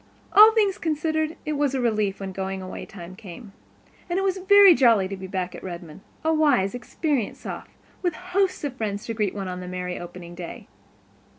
All things considered, it was a relief when going away time came. And it was very jolly to be back at Redmond, a wise, experienced Soph with hosts of friends to greet on the merry opening day.